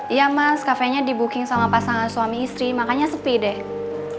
iya mas kafenya di booking sama pasangan suami istri makanya sepi deh